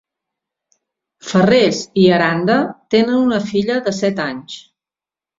Farrés i Aranda tenen una filla de set anys.